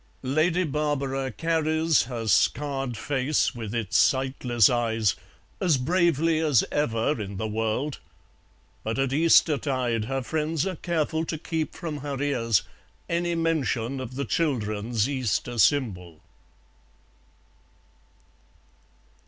Lady Barbara carries her scarred face with its sightless eyes as bravely as ever in the world, but at Eastertide her friends are careful to keep from her ears any mention of the children's Easter symbol.